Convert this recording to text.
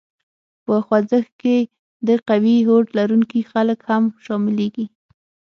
په خوځښت کې د قوي هوډ لرونکي خلک هم شامليږي.